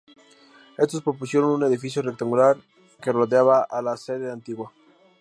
Estos propusieron un edificio rectangular que rodeaba la sede antigua.